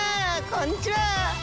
こんにちは。